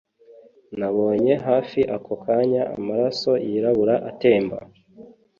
Nabonye hafi ako kanya amaraso yirabura atemba